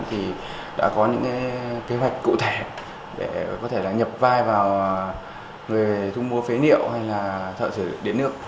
thì đã có những kế hoạch cụ thể để có thể nhập vai vào người thu mua phế niệu hay là thợ sửa điện nước